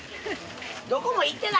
どこも行ってない。